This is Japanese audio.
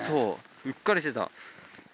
うっかりしてた。